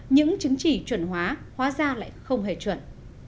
những chứng chỉ chuẩn hóa hóa ra lại không hề chuẩn